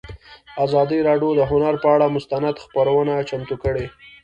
ازادي راډیو د هنر پر اړه مستند خپرونه چمتو کړې.